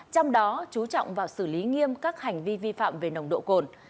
trong đó chú trọng vào xử lý nghiêm các hành vi vi phạm về nồng độ cồn